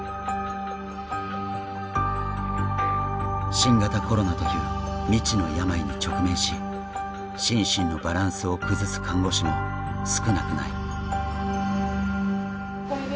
新型コロナという未知の病に直面し心身のバランスを崩す看護師も少なくない。